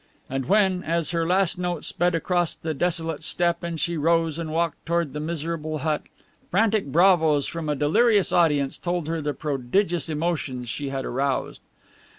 And when, as her last note sped across the desolate steppe and she rose and walked toward the miserable hut, frantic bravos from a delirious audience told her the prodigious emotions she had aroused.